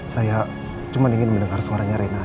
saya cuman ingin mendengar suaranya reina aja